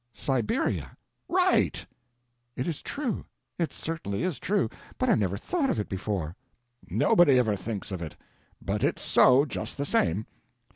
"Siberia!" "Right." "It is true; it certainly is true, but I never thought of it before." "Nobody ever thinks of it. But it's so, just the same.